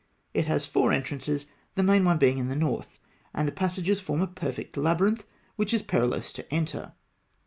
It has four entrances, the main one being in the north; and the passages form a perfect labyrinth, which it is perilous to enter.